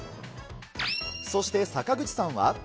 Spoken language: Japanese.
そして、坂口さんは。